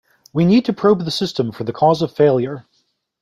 We need to probe the system for the cause of the failure.